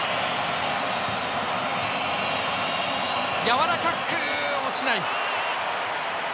やわらかく落ちない。